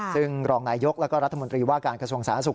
ซึ่งรองนายยกแล้วก็รัฐมนตรีว่าการกระทรวงสาธารณสุข